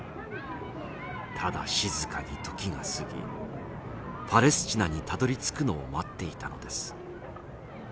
ただ静かに時が過ぎパレスチナにたどりつくのを待っていたのです。